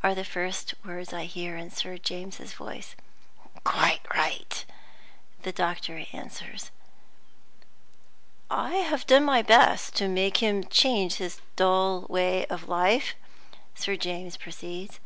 are the first words I hear, in Sir James's voice. "Quite right," the doctor answers. "I have done my best to make him change his dull way of life," Sir James proceeds.